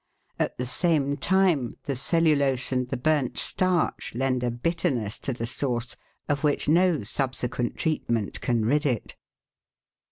At the same time, the cellulose and the burnt starch lend a bitterness to the sauce of which no subsequent treatment can rid it.